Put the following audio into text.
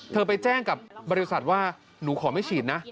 ไปแจ้งกับบริษัทว่าหนูขอไม่ฉีดนะ